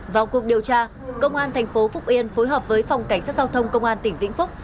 vào cuộc điều tra công an thành phố phúc yên phối hợp với phòng cảnh sát giao thông công an tỉnh vĩnh phúc